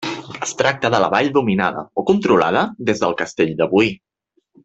Es tracta de la vall dominada, o controlada, des del castell de Boí.